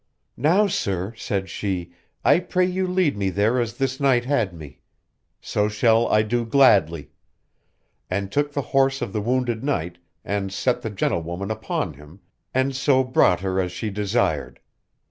Now sir, said she, I pray you lead me there as this knight had me. So shall I do gladly: and took the horse of the wounded knight, and set the gentlewoman upon him, and so brought her as she desired.